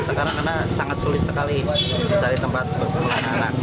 sekarang sangat sulit sekali cari tempat berkepunya anak anak